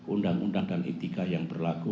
undang undang dan etika yang berlaku